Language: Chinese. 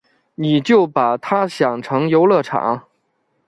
你就把他想成游乐场